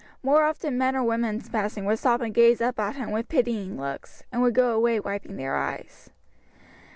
More often men or women passing would stop and gaze up at him with pitying looks, and would go away wiping their eyes.